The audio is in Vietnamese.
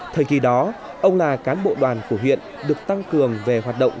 thời kỳ đó ông là cán bộ đoàn của huyện được tăng cường về hoạt động